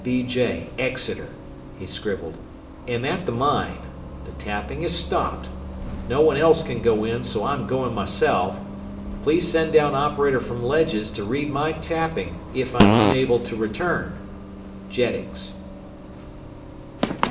"W. B. J., Exeter," he scribbled. "Am at the mine. The tapping has stopped. No one else can go in, so I am going myself. Please send down operator from Ledges to read my tapping if I am unable to return. "Jennings."